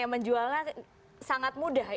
menjualnya sangat mudah